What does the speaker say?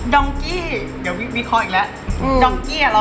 ดองกี้เดี๋ยววิเคราะห์อีกแล้ว